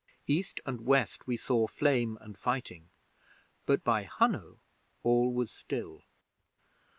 East and west we saw flame and fighting, but by Hunno all was still.